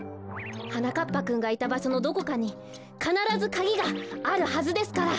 はなかっぱくんがいたばしょのどこかにかならずカギがあるはずですから！